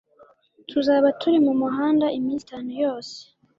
Tuzaba turi mumuhanda iminsi itanu yose.